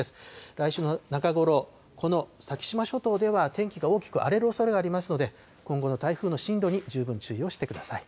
来週の中ごろ、この先島諸島では天気が大きく荒れるおそれがありますので、今後の台風の進路に十分注意をしてください。